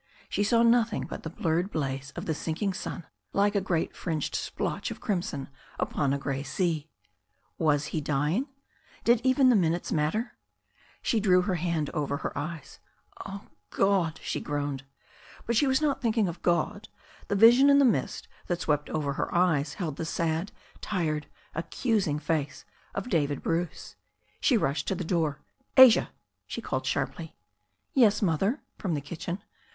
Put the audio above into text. She saw nothing but the blurred blaze of the sinking sun like a great fringed splotch of crimson upon a grey sea. Was he dying? Did even the minutes matter? 2o6 THE STORY OF A NEW ZEALAND RIVEB She drew her hand over her eyes. ''Oh, God!" she groaned. But she was not thinking of God. The vision in the mist that swept over her eyes held the sad, tired, accusing face of David Bruce. She rushed to the door. "Asia!" she called sharply. ''Yes, Mother," from the kitchen.